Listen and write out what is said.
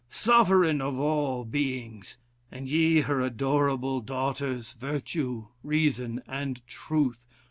sovereign of all beings! and ye, her adorable daughters, Virtue, Reason, and Truth!